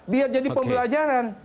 biar jadi pembelajaran